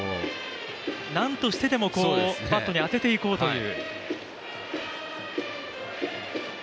なんとしてでもバットに当てていこうという。